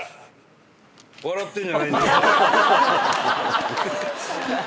笑ってんじゃないんだよ。